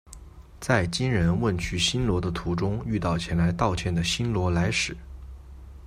在金仁问去新罗的途中遇到前来道歉的新罗来使。